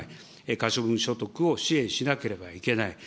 可処分所得を支援しなければいけない。